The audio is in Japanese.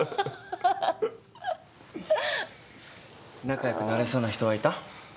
仲良くなれそうな人はいた？